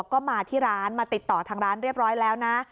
ก็มาที่ร้านมาติดต่อทางร้านเรียบร้อยแล้วนะ